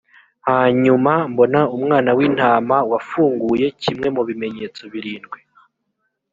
hanyuma mbona umwana w intama w afunguye kimwe mu bimenyetso birindwi